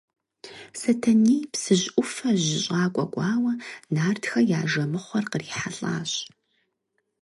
Сэтэней Псыжь ӏуфэ жьыщӏакӏуэ кӏуауэ, нартхэ я жэмыхъуэр кърихьэлӏащ.